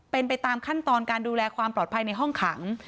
เป็นไปตามขั้นตอนการดูแลความปลอดภัยในห้องขัง